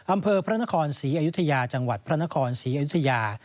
อำเภอพระนครศรีอยุธยาจังหวัดพระนครศรีอยุธยา